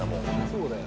そうだよ。